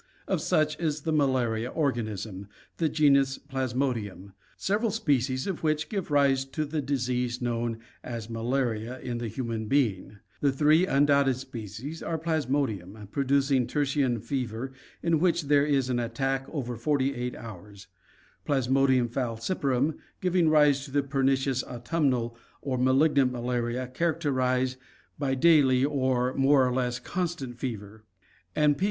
Of such is the malaria organism, the genus Plasmodium, several species of which give rise to the disease known as malaria in the human being. The three undoubted species are Plasmodium vivaXj producing tertian fever in which there is an attack every forty eight hours; Plasmodium falciparum, giving rise to the perni cious autumnal or malignant malaria characterized by daily or more or less constant fever; and P.